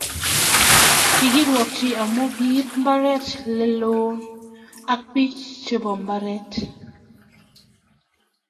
Kikirwokchi amu kiib mbaret leloo ak bik chebo mbaret